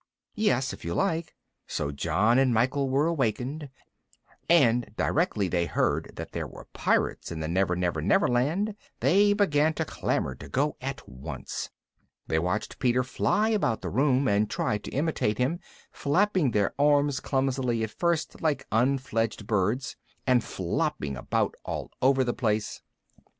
"Yes, if you like." So John and Michael were awakened, and directly they heard that there were pirates in the Never Never Never Land they began to clamour to go at once. They watched Peter fly about the room, and tried to imitate him, flapping their arms clumsily at first like unfledged birds, and flopping about all over the place.